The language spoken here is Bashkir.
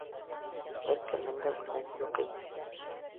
Бер кемдең дә үлгәне юҡ ине.